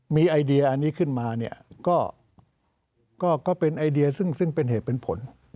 มีไอเดียอันนี้ขึ้นมาเนี่ยก็เป็นไอเดียซึ่งเป็นเหตุเป็นผล